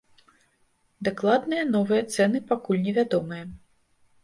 Дакладныя новыя цэны пакуль невядомыя.